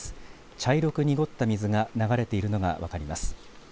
茶色く濁った水が流れているのが分かります。